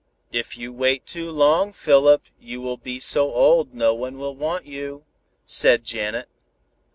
"If you wait too long, Philip, you will be so old, no one will want you," said Janet.